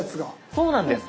そうなんです。